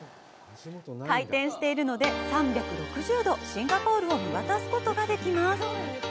回転しているので、３６０度、シンガポールを見渡すことができます。